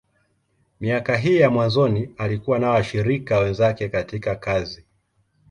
Miaka hii ya mwanzoni, alikuwa na washirika wenzake katika kazi.